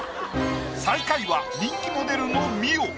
最下位は人気モデルの美緒。